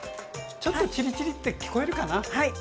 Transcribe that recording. ちょっとチリチリって聞こえるかな。